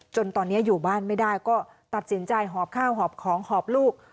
จนตอนนี้อยู่บ้านไม่ได้ก็ตัดสินใจหอบข้าวหอบของหอบลูก